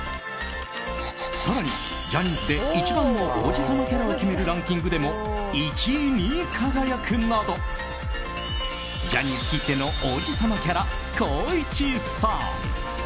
更に、ジャニーズで一番の王子様キャラを決めるランキングでも１位に輝くなどジャニーズきっての王子様キャラ、光一さん。